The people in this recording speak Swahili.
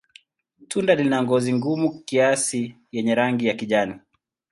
Tunda lina ngozi gumu kiasi yenye rangi ya kijani.